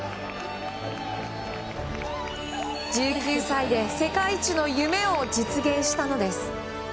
１９歳で世界一の夢を実現したのです。